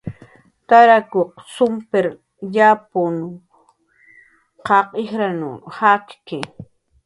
Tarakuq sumkir yapu, qaq ijrnaw jakki.